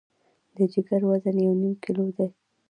د جګر وزن یو نیم کیلو دی.